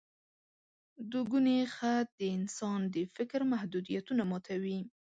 دوګوني خط د انسان د فکر محدودیتونه ماتوي.